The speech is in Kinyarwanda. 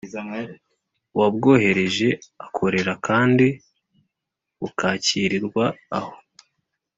Uwabwohereje akorera kandi bukakirirwa aho